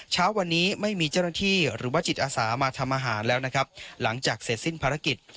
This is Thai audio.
เช้าวันนี้ไม่มีเจ้าหน้าที่หรือว่าจิตอาสามาทำอาหารแล้วนะครับหลังจากเสร็จสิ้นภารกิจ